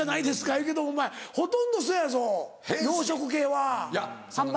言うけどもほとんどそうやぞ洋食系は。